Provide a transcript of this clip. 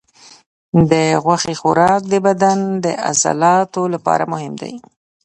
د غوښې خوراک د بدن د عضلاتو لپاره مهم دی.